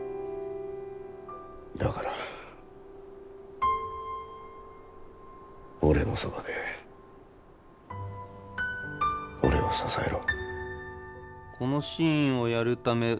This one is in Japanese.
だから俺のそばで俺を支えろ。